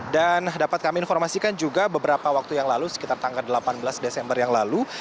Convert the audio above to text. dan dapat kami informasikan juga beberapa waktu yang lalu sekitar tanggal delapan belas desember yang lalu